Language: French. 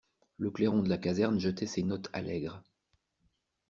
Le clairon de la caserne jetait ses notes allègres.